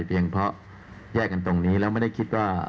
เพียงเพราะแยกกันตรงนี้แล้วไม่ได้คิดว่า